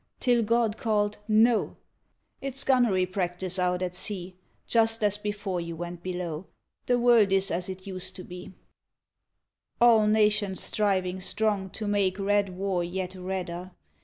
Till God called, "No; It's gunnery practice out at sea Just as before you went below; The world is as it used to be: "All nations striving strong to make Red war yet redder.